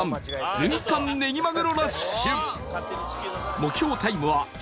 軍艦ねぎまぐろラッシュ